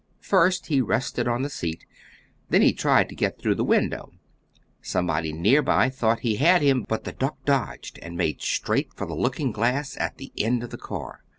First he rested on the seat, then he tried to get through the window. Somebody near by thought he had him, but the duck dodged, and made straight for the looking glass at the end of the car.